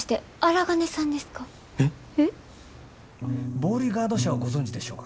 ボーリガード社をご存じでしょうか？